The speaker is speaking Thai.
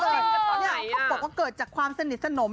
เขาบอกว่าเกิดจากความสนิทสนม